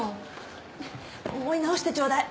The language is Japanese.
思い直してちょうだい。